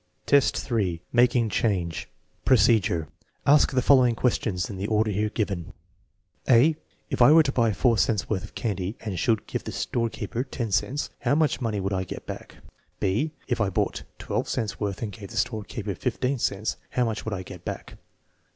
1 IX, 3. Making change Procedure. Ask the following questions in the order here given: (a) "If I were to buy 4 cents worth of candy and should give the storekeeper 10 cents, how much money would I get bade?" (b) "If I bought 12 cents worth and gave the storekeeper 15 cents, how much would I get back?"